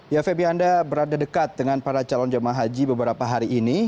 ya feby anda berada dekat dengan para calon jemaah haji beberapa hari ini